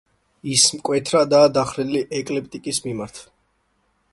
ის მკვეთრადაა დახრილი ეკლიპტიკის მიმართ.